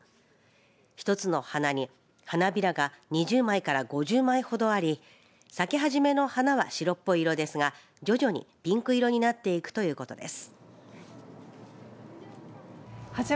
一つの花に花びらが２０枚から５０枚ほどあり咲き始めの花は白っぽい色ですが徐々にピンク色になっていくということです。